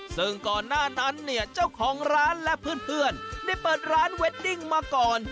ซึ่งก่อนหน้านั้นเนี่ยเจ้าของร้านและเพื่อนได้เปิดร้านเวดดิ้งมาก่อน